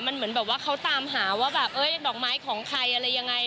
มันเหมือนเขาตามหาว่าดอกไม้ของใครอะไรยังไง